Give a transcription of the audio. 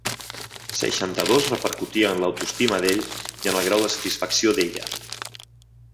Seixanta-dos repercutia en l'autoestima d'ell i en el grau de satisfacció d'ella.